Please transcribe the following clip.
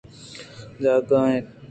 جاگہ اِنت